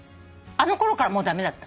あのころからもう駄目だった。